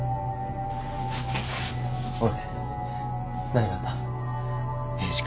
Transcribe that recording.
おい何があった？